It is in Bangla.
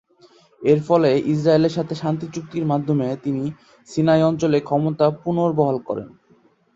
এর ফলে ইসরায়েলের সাথে শান্তিচুক্তির মাধ্যমে তিনি সিনাই অঞ্চলে ক্ষমতা পুনর্বহাল করেন।